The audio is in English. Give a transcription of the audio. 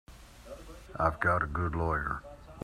I've got a good lawyer.